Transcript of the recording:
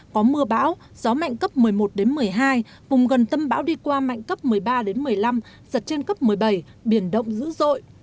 có mưa bão gió mạnh cấp một mươi một một mươi hai vùng gần tâm bão đi qua mạnh cấp một mươi ba một mươi năm giật trên cấp một mươi bảy biển động dữ dội